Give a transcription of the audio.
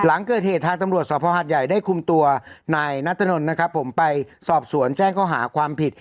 หลังเกิดเหตุทางตำรวจภหัดใหญ่ได้คุมตัวนายนัทธนไปสอบสวนแจ้งเขาหาความผิด